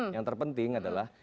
yang terpenting adalah